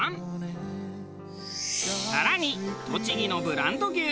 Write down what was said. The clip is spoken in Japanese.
更に栃木のブランド牛